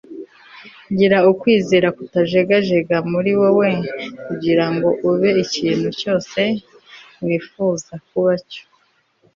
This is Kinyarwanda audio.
gira kwizera kutajegajega muri wowe kugirango ube ikintu cyose wifuza kuba cyo